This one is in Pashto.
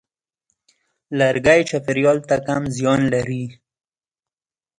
لرګی چاپېریال ته کم زیان لري.